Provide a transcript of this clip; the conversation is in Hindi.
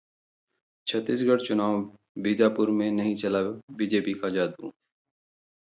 छत्तीसगढ़ चुनाव: बीजापुर में नहीं चला बीजेपी का जादू